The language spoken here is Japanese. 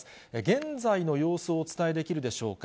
現在の様子をお伝えできるでしょうか。